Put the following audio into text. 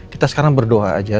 kita sekarang berdoa aja